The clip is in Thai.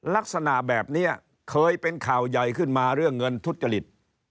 ลักษณะแบบนี้เคยเป็นข่าวใหญ่ขึ้นมาเรื่องเงินทุจริต